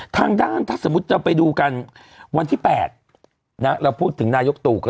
ทางด้านถ้าสมมุติจะไปดูกันวันที่๘เราพูดถึงนายกตู่ก็